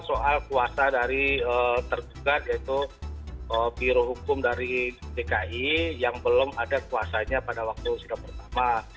soal kuasa dari tergugat yaitu biro hukum dari dki yang belum ada kuasanya pada waktu sidang pertama